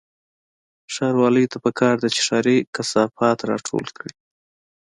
ښاروالۍ ته پکار ده چې ښاري کثافات راټول کړي